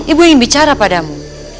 ibu ingin bicara padamu